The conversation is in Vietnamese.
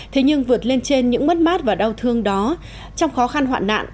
thế nhưng vượt lên trên những mất mát và đau thương đó trong khó khăn hoạn nạn